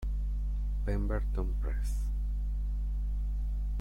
Pemberton Press.